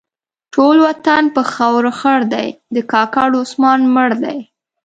ټول وطن په خاورو خړ دی؛ د کاکړو عثمان مړ دی.